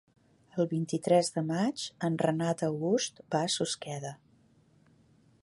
El vint-i-tres de maig en Renat August va a Susqueda.